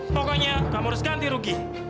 pokoknya kamu harus ganti rugi